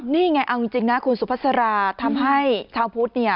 นี่ไงเอาจริงนะคุณสุภาษาราทำให้ชาวพุทธเนี่ย